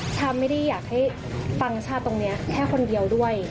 ถ้าไม่ได้อยากให้ฟังชาติตรงนี้แค่คนเดียวด้วย